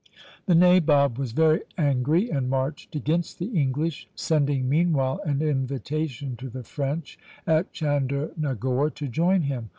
The nabob was very angry, and marched against the English; sending meanwhile an invitation to the French at Chandernagore to join him.